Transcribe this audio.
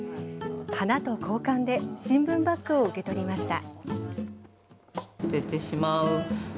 花と交換で新聞バッグを受け取りました。